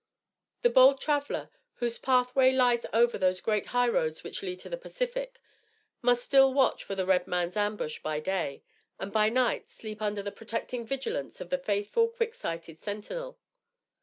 The bold traveller, whose pathway lies over those great highroads which lead to the Pacific, must still watch for the red man's ambush by day; and, by night, sleep under the protecting vigilance of the faithful, quick sighted sentinel.